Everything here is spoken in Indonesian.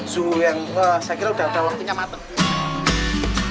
suhu yang saya kira sudah dalam penyamatan